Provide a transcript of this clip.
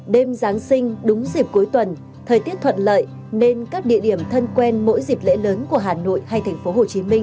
đêm giáng sinh đúng dịp cuối tuần thời tiết thuận lợi nên các địa điểm thân quen mỗi dịp lễ lớn của hà nội hay thành phố hồ chí minh